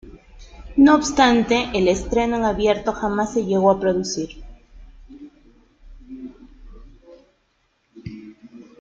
No obstante, el estreno en abierto jamás se llegó a producir.